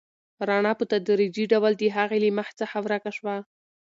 رڼا په تدریجي ډول د هغې له مخ څخه ورکه شوه.